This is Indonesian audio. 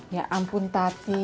ya ampun tati